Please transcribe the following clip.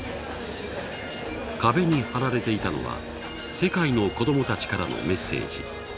壁に貼られていたのは世界の子どもたちからのメッセージ。